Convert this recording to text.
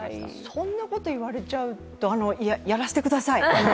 そんなこと言われちゃうと、やらせてください。